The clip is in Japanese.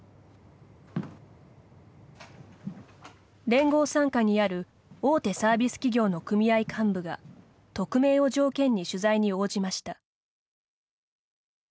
連合傘下にある大手サービス企業の組合幹部が匿名を条件に取材に応じました。